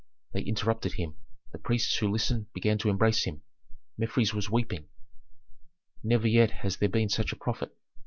They interrupted him. The priests who listened began to embrace him; Mefres was weeping. "Never yet has there been such a prophet.